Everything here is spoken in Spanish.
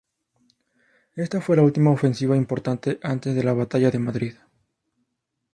Esta fue la última ofensiva importante antes de la Batalla de Madrid.